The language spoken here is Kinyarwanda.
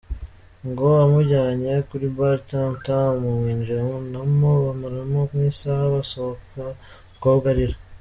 Ngo amujyanye kuri Bar Tam Tam, amwinjiranamo, bamaranamo nk’isaha, basohoka umukobwa arira.